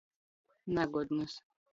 Nagodns.